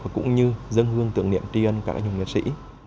và cũng như dân hương tượng niệm tri ân các nhóm nghệ sĩ